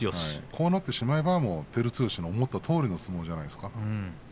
こうなってしまえば照強の思ったとおりの相撲じゃないですか。